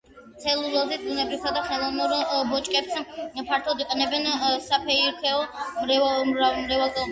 ცელულოზის ბუნებრივსა და ხელოვნურ ბოჭკოებს ფართოდ იყენებენ საფეიქრო მრეწველობაში.